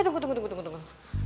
eh tunggu tunggu tunggu